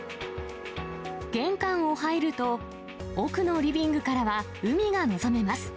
玄関を入ると、奥のリビングからは海が望めます。